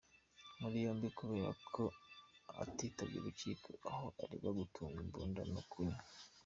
muri yombi kubera ko atitabye urukiko, aho aregwaho gutunga imbunda no kunywa.